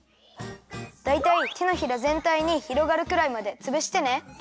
だいたいてのひらぜんたいにひろがるくらいまでつぶしてね。